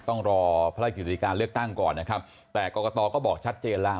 ต้องรอภารกิจการเลือกตั้งก่อนนะครับแต่กรกตก็บอกชัดเจนแล้ว